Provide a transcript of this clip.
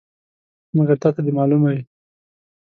مګر تا ته دې معلومه وي.